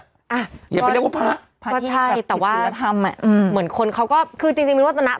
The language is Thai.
อ่ะอย่าไปเรียกว่าพระก็ใช่แต่ว่าเหมือนคนเขาก็คือจริงจริงว่าตอนนั้น